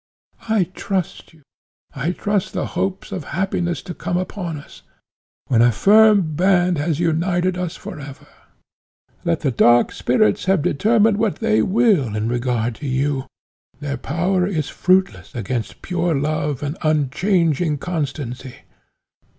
I trust you, I trust the hopes of happiness to come upon us, when a firm band has united us for ever. Let the dark spirits have determined what they will in regard to you, their power is fruitless against pure love and unchanging constancy.